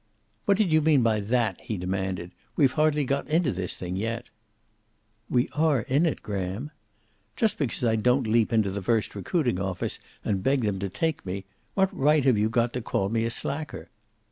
"What did you mean by that?" he demanded. "We've hardly got into this thing yet." "We are in it, Graham." "Just because I don't leap into the first recruiting office and beg them to take me what right have you got to call me a slacker?"